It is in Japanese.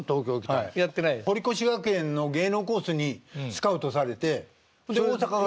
堀越学園の芸能コースにスカウトされて大阪から。